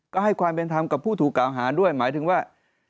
ก็ให้ความเป็นธรรมกับผู้ถูกกล่าวหาด้วยหมายถึงว่า